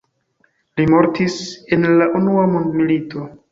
Li mortis en la Unua mondmilito.